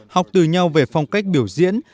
học từ nhau về phong cách biểu diễn